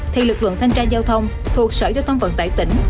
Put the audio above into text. thì lực lượng thanh tra giao thông thuộc sở giao thông vận tải tỉnh